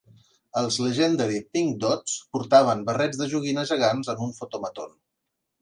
Els Legendary Pink Dots portaven barrets de joguina gegants en un fotomaton.